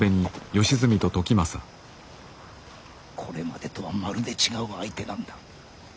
これまでとはまるで違う相手なんだ。